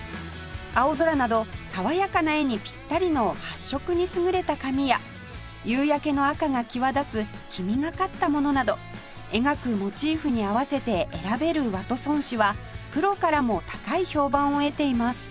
青空など爽やかな絵にピッタリの発色に優れた紙や夕焼けの赤が際立つ黄みがかったものなど描くモチーフに合わせて選べるワトソン紙はプロからも高い評判を得ています